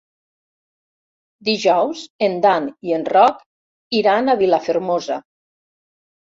Dijous en Dan i en Roc iran a Vilafermosa.